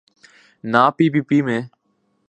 نہ پی پی پی میں۔